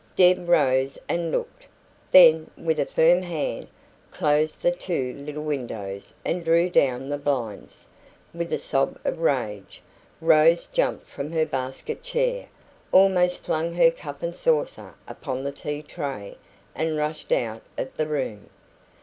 Deb rose and looked; then, with a firm hand, closed the two little windows and drew down the blinds. With a sob of rage, Rose jumped from her basket chair, almost flung her cup and saucer upon the tea tray, and rushed out of the room.